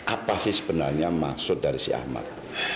apa sih sebenarnya maksud dari si ahmad